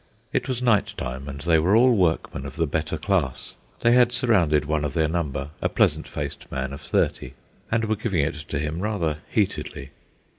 It was night time, and they were all workmen of the better class. They had surrounded one of their number, a pleasant faced man of thirty, and were giving it to him rather heatedly.